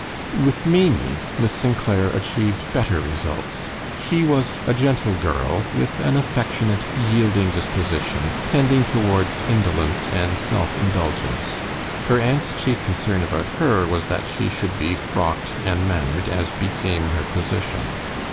With Maimie, Miss St. Clair achieved better results. She was a gentle girl, with an affectionate, yielding disposition, tending towards indolence and self indulgence. Her aunt's chief concern about her was that she should be frocked and mannered as became her position.